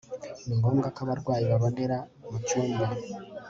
ni ngombwa ko abarwayi babonera mu cyumba